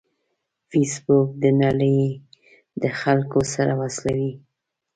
فېسبوک د نړۍ د خلکو سره وصلوي